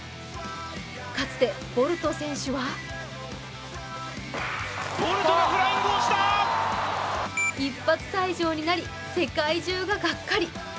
かつてボルト選手は一発退場になり、世界中がガッカリ。